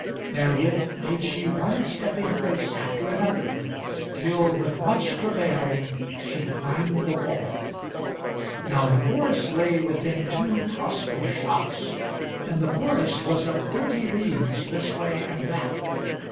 Therewith made she one stepping place after another, till, with much travail, she climbed the wall. Now the forest lay within two crossbow shots, and the forest was of thirty leagues this way and that.